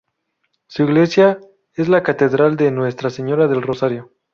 Su iglesia es la catedral de Nuestra Señora del Rosario.